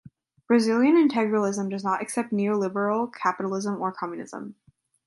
Brazilian integralism does not accept neoliberal capitalism or communism.